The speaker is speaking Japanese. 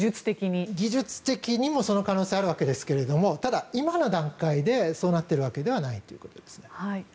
技術的にもその可能性はあるわけですがただ、今の段階でそうなっているわけではないということですね。